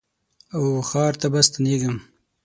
او ښار ته به ستنېږم